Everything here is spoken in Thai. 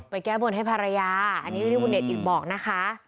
ไปแก้บนให้ภรรยาอันนี้คุณเดชน์อิทบอกนะคะ